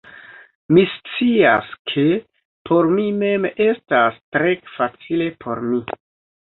Mi scias, ke por mi mem estas tre facile por mi